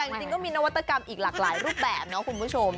แต่จริงก็มีนวัตกรรมอีกหลากหลายรูปแบบเนาะคุณผู้ชม